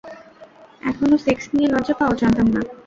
এখনো সেক্স নিয়ে লজ্জা পাও, জানতাম না।